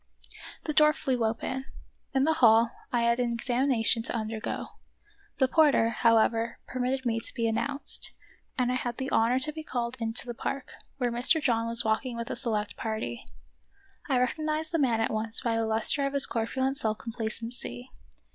The door flew open. In the hall I had an ex amination to undergo ; the porter, however, per mitted me to be announced, and I had the honor to be called into the park, where Mr. John was walking with a select party. I recognized the man at once by the lustre of his corpulent self complacency.